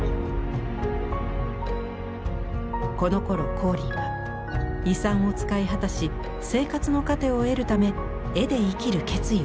このころ光琳は遺産を使い果たし生活の糧を得るため絵で生きる決意をしました。